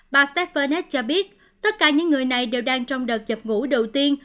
bà stephanec cho biết tất cả những người này đều đang trong đợt dập ngũ đầu tiên